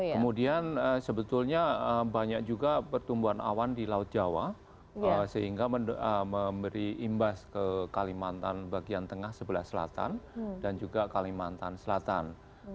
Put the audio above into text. kemudian sebetulnya banyak juga pertumbuhan awan di laut jawa sehingga memberi imbas ke kalimantan bagian tengah sebelah selatan dan juga kalimantan selatan